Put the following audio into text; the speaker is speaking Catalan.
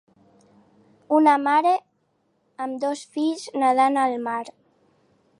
Una mare amb dos fills nedant al mar.